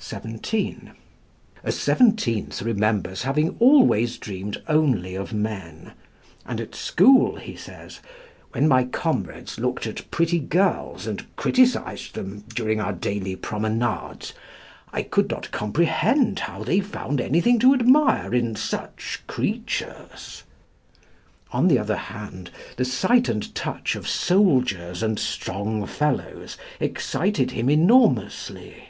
(17) A seventeenth remembers having always dreamed only of men; and at school, he says, "when my comrades looked at pretty girls and criticised them during our daily promenades, I could not comprehend how they found anything to admire in such creatures." On the other hand, the sight and touch of soldiers and strong fellows excited him enormously.